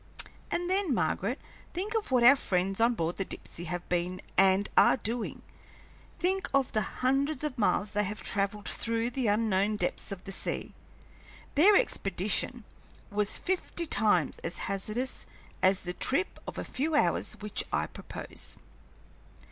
"And then, Margaret, think of what our friends on board the Dipsey have been and are doing! Think of the hundreds of miles they have travelled through the unknown depths of the sea! Their expedition was fifty times as hazardous as the trip of a few hours which I propose."